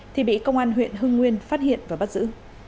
thì bị công an huyện hưng nguyên phát hiện và bắt giữ